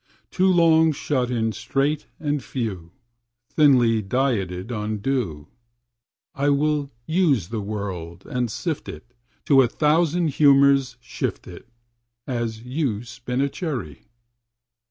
Too long shut in strait and few, Thinly dieted on dew, I will use the world, and sift it, To a thousand humors shift it, As you spin a cherry.